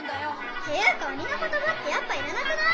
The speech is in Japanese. っていうかおにのことばってやっぱいらなくない？